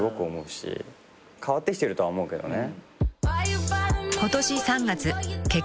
変わってきてるとは思うけどね。